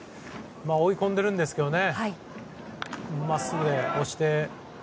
追い込んでるんですけどまっすぐで押して。